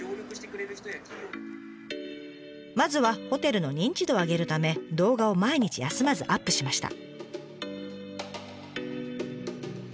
まずはホテルの認知度を上げるため動画を毎日休まずアップしました。